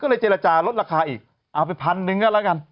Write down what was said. ก็เลยเจรจารถลดราคาอีกเอาไป๑๐๐๐นึงแล้วละกัน